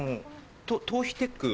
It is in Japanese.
頭皮テック？